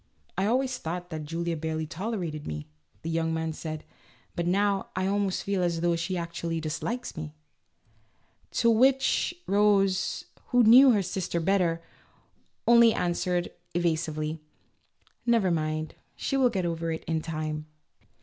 " I always thought that Julia barely tolerated me," the young man said, " but now I almost feel as though she actually dislikes me." To which 90 A LITTLE STUDY IN COMMON SENSE. Rose, who knew her sister better, only answered evasively, "Never mind, she will get over it in time."